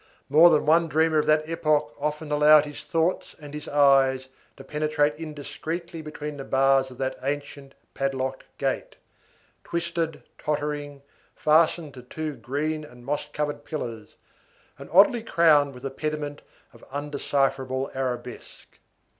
More than one dreamer of that epoch often allowed his thoughts and his eyes to penetrate indiscreetly between the bars of that ancient, padlocked gate, twisted, tottering, fastened to two green and moss covered pillars, and oddly crowned with a pediment of undecipherable arabesque.